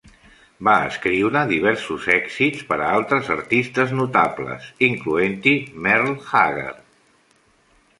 Va escriure diversos èxits per a altres artistes notables, incloent-hi Merle Haggard.